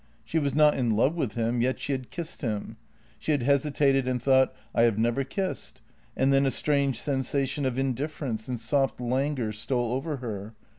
She was not in love with him, yet she had kissed him. She had hesitated and thought: I have never kissed, and then a strange sensation of indifference and soft languor stole over her.